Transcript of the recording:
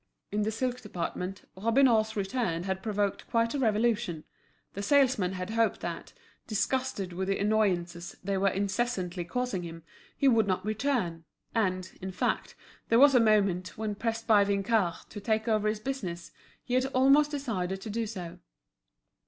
In the silk department, Robineau's return had provoked quite a revolution. The salesmen had hoped that, disgusted with the annoyances they were incessantly causing him, he would not return; and, in fact, there was a moment, when pressed by Vinçard to take over his business, he had almost decided to do so.